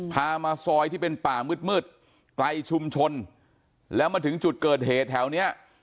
พามาซอยที่เป็นป่ามืดไกลชุมชนแล้วมาถึงจุดเกิดเหตุแถวเนี้ย